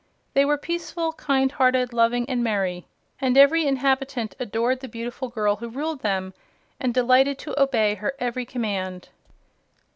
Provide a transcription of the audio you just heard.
They were peaceful, kind hearted, loving and merry, and every inhabitant adored the beautiful girl who ruled them and delighted to obey her every command.